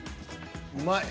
うまい！